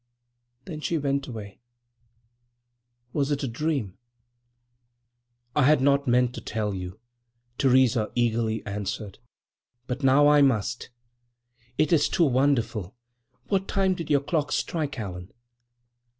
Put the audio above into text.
Then she went away. Was that a dream?" < 11 > "I had not meant to tell you," Theresa eagerly answered, "but now I must. It is too wonderful. What time did your clock strike, Allan?"